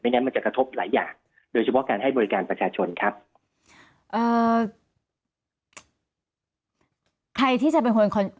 นั้นมันจะกระทบหลายอย่างโดยเฉพาะการให้บริการประชาชนครับ